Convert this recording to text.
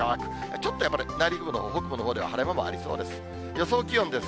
ちょっとやっぱり内陸部のほう、北部のほうでは晴れ間もありそうです。